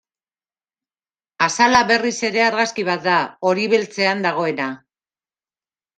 Azala berriz ere argazki bat da, hori-beltzean dagoena.